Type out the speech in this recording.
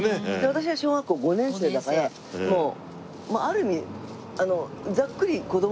私は小学校５年生だからもうある意味ざっくり子供だから２人とも。